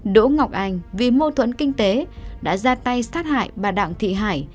đỗ ngọc anh vì mâu thuẫn kinh tế đã ra tay sát hại bà đặng thị hải